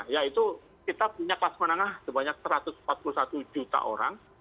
yaitu kita punya kelas menengah sebanyak satu ratus empat puluh satu juta orang